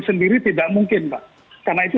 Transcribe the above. sendiri tidak mungkin pak karena itu